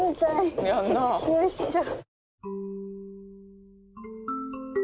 よいしょ。